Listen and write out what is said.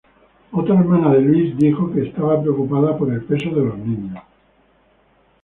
Otra hermana de Louise dijo que estaba preocupada por el peso de los niños.